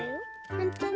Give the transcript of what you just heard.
ほんとだ。